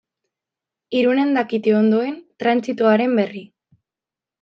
Irunen dakite ondoen trantsitoaren berri.